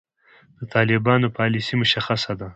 د طالبانو پالیسي مشخصه ده.